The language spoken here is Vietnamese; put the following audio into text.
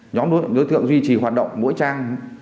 nhóm đối tượng duy trì hoạt động mỗi trang